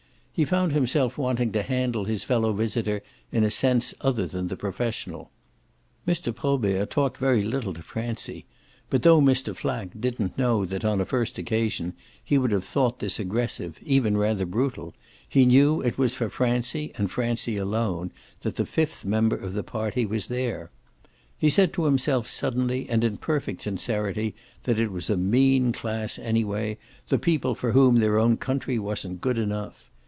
He found himself wanting to handle his fellow visitor in a sense other than the professional. Mr. Probert talked very little to Francie, but though Mr. Flack didn't know that on a first occasion he would have thought this aggressive, even rather brutal, he knew it was for Francie, and Francie alone, that the fifth member of the party was there. He said to himself suddenly and in perfect sincerity that it was a mean class anyway, the people for whom their own country wasn't good enough.